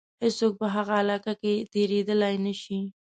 هیڅوک په هغه علاقه کې تېرېدلای نه شي.